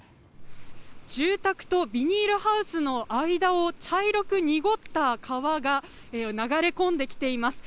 住宅とビニールハウスの間を茶色く濁った川が流れ込んできています。